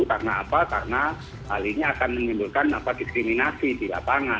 karena hal ini akan menimbulkan diskriminasi di lapangan